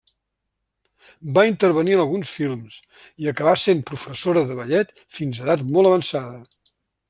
Va intervenir en alguns films i acabà sent professora de ballet fins edat molt avançada.